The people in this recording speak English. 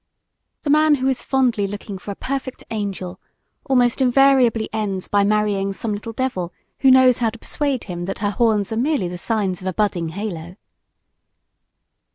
The man who is fondly looking for a perfect angel almost invariably ends by marrying some little devil who knows how to persuade him that her horns are merely the signs of a budding halo.